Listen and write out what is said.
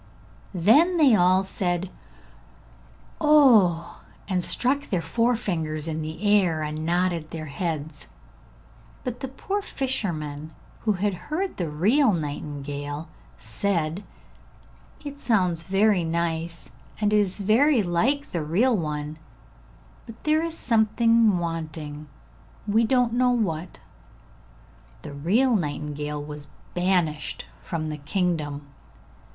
Then they all said 'Oh,' and stuck their forefingers in the air and nodded their heads; but the poor fishermen who had heard the real nightingale said, 'It sounds very nice, and it is very like the real one, but there is something wanting, we don't know what.' The real nightingale was banished from the kingdom.